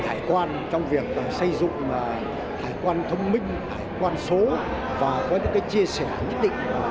hải quan trong việc là xây dụng hải quan thông minh hải quan số và có những cái chia sẻ nhất định